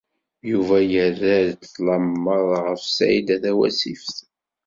Yuba yerra-d ṭṭlem meṛṛa ɣef Saɛida Tawasift.